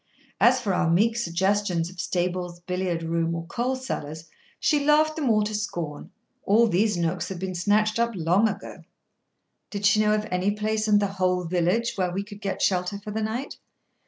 As for our meek suggestions of stables, billiard room, or coal cellars, she laughed them all to scorn: all these nooks had been snatched up long ago. Did she know of any place in the whole village where we could get shelter for the night?